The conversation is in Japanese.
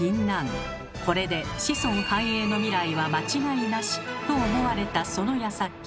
これで子孫繁栄の未来は間違いなし。と思われたそのやさき。